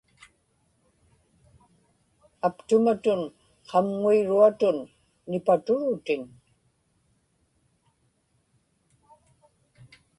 aptumatun qamŋuiruatun nipaturutin